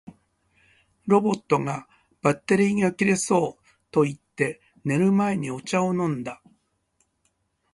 ロボットが「バッテリーが切れそう」と言って、寝る前にお茶を飲んだ